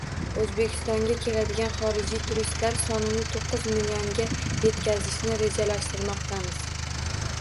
O‘zbekistonga keladigan xorijiy turistlar sonini to'qqiz millionga yetkazishni rejalashtirmoqdamiz.